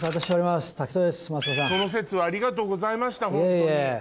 その節はありがとうございましたホントに。